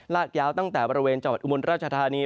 ลากยาวตั้งแต่บริเวณจังหวัดอุบลราชธานี